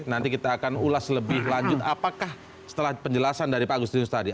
nanti kita akan ulas lebih lanjut apakah setelah penjelasan dari pak agustinus tadi